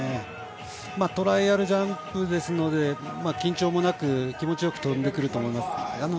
トライアルジャンプですので緊張もなく気持ちよく飛んでくれると思います。